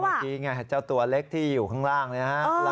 เมื่อกี้ไงเจ้าตัวเล็กที่อยู่ข้างล่างเลยฮะ